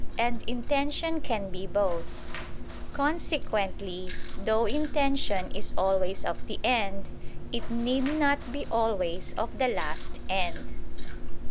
And intention can be both. Consequently though intention is always of the end, it need not be always of the last end.